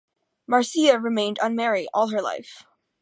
Marcia remained unmarried all her life.